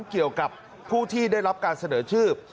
เกี่ยวกับผู้ที่ได้รับการเสนอชื่อ